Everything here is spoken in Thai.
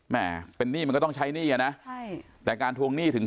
แหน่ะเป็นนี่มันก็ต้องใช้นี่อะน่ะแต่การทวงนี่ถึง